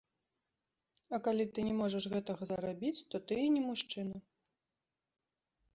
А калі ты не можаш гэтага зарабіць, то ты і не мужчына.